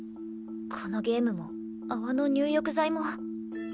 このゲームも泡の入浴剤も。